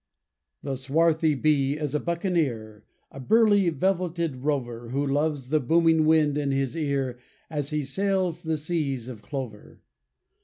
The swarthy bee is a buccaneer, A burly velveted rover, Who loves the booming wind in his ear As he sails the seas of clover.